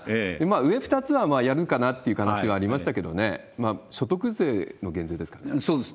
上２つはやるかなっていう可能性がありましたけどね、所得税の減そうです。